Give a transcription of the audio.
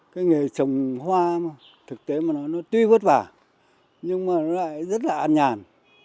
cái nghề trồng hoa thực tế mà nó tuy vất vả nhưng mà nó lại rất là ăn nhàn